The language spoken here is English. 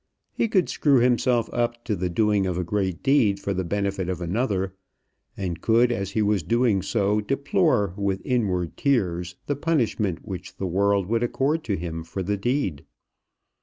He could screw himself up to the doing of a great deed for the benefit of another, and could as he was doing so deplore with inward tears the punishment which the world would accord to him for the deed.